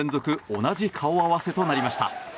同じ顔合わせとなりました。